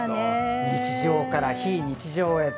日常から非日常へ。